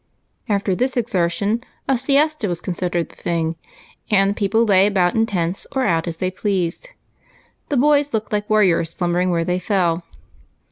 After this exertion a siesta was considered the thing, and joeople lay about in tents or out as they pleased, the boys looking like warriors slumbering where they fell.